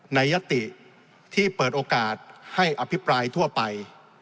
ยติที่เปิดโอกาสให้อภิปรายทั่วไป